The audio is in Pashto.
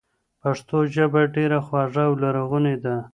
پښتو ژبه ډېره خوږه او لرغونې ده.